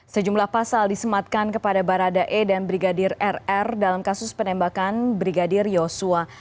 sejumlah pasal disematkan kepada baradae dan brigadir rr dalam kasus penembakan brigadir yosua